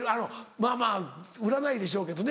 まぁまぁ売らないでしょうけどね